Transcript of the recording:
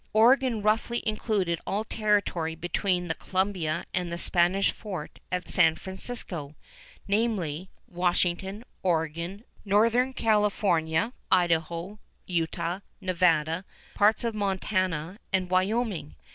Oregon roughly included all territory between the Columbia and the Spanish fort at San Francisco, namely, Washington, Oregon, Northern California, Idaho, Utah, Nevada, parts of Montana and Wyoming.